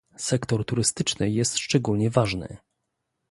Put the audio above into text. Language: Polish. Sektor turystyczny jest szczególnie ważny